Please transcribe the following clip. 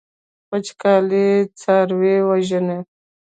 وچکالي څاروي وژني.